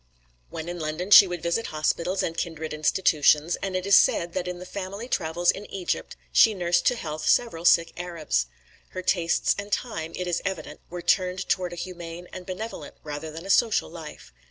When in London she would visit hospitals and kindred institutions, and it is said that in the family travels in Egypt she nursed to health several sick Arabs. Her tastes and time, it is evident, were turned toward a humane and benevolent rather than a social life.